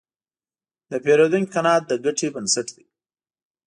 د پیرودونکي قناعت د ګټې بنسټ دی.